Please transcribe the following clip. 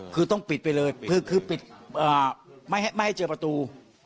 คือต้องปิดไปเลยคือปิดไม่ให้เจอประตู